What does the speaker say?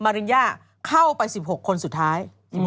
ริญญาเข้าไป๑๖คนสุดท้าย